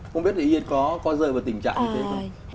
không biết là yên có rơi vào tình trạng như thế không